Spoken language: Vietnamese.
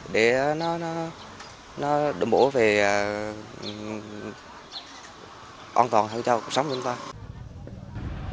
để nó đồng bộ về an toàn hơn cho cuộc sống của chúng ta